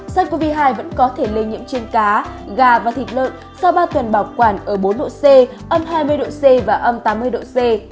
sars cov hai vẫn có thể lây nhiễm trên cá gà và thịt lợn sau ba tuần bảo quản ở bốn độ c âm hai mươi độ c và âm tám mươi độ c